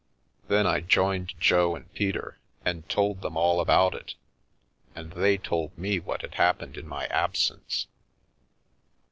Then I joined Jo and Peter, and told them all about it, and they told me what had happened in my absence.